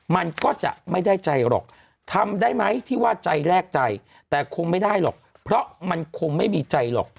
มันก็จะไม่ได้ใจหรอกทำได้ไหมที่ว่าใจแรกใจแต่คงไม่ได้หรอกเพราะมันคงไม่มีใจหรอก